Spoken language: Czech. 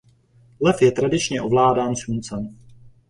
Lev je tradičně ovládán Sluncem.